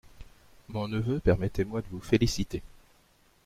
Mon neveu, permettez-moi de vous féliciter…